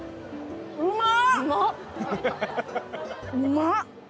うまっ！